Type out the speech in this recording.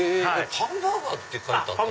パンバーガーって書いてあった。